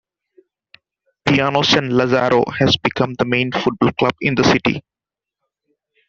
Piano San Lazzaro had become the main football club in the city.